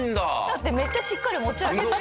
だってめっちゃしっかり持ち上げて。